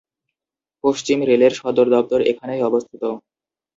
পশ্চিম রেলের সদরদপ্তর এখানেই অবস্থিত।